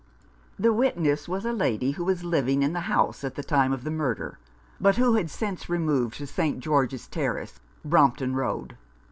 The witness was a lady who was living in the house at the time of the murder, but who had since removed to St. George's Terrace, Brompton Road.